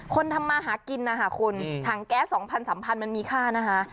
ทำมาหากินนะคะคุณถังแก๊ส๒๐๐๓๐๐มันมีค่านะคะ